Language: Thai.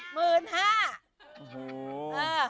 หมื่นห้า